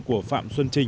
của phạm xuân trình